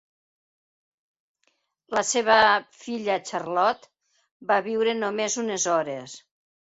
La seva filla, Charlotte, va viure només unes hores.